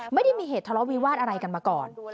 ไม่ได้มีเหตุทะเลาะวิวาสอะไรกันมาก่อน